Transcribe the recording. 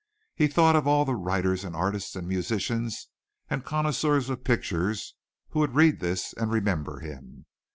He thought of all the writers and artists and musicians and connoisseurs of pictures who would read this and remember him.